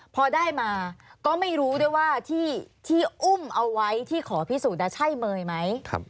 พอได้มาก็ไม่รู้ด้วยว่าที่อุ้มเอาไว้ที่ขอพิสูจน์ใช่เมย์ไหม